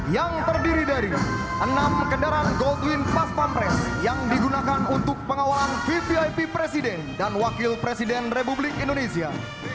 yang terdiri dari enam kendaraan goldwin pas pampres yang digunakan untuk pengawalan vvip presiden dan wakil presiden republik indonesia